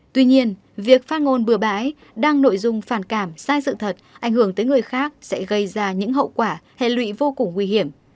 tuy nhiên việc phát ngôn bừa bãi đăng nội dung phản cảm sai sự thật ảnh hưởng tới người khác sẽ gây ra những hậu quả hệ lụy vô cùng nguy hiểm